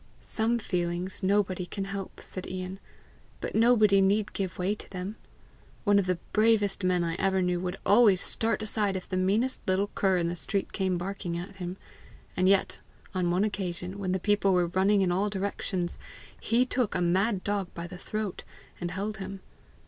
"Some feelings nobody can help," said Ian, "but nobody need give way to them. One of the bravest men I ever knew would always start aside if the meanest little cur in the street came barking at him; and yet on one occasion, when the people were running in all directions, he took a mad dog by the throat, and held him.